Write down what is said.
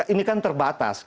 ini kan terbatas